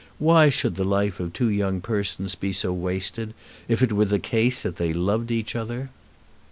Why should the life of two young persons be so wasted, if it were the case that they loved each other?